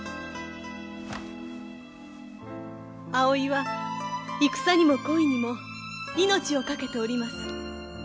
葵は戦にも恋にも命を懸けております。